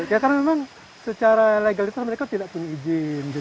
ya karena memang secara legal itu mereka tidak punya izin gitu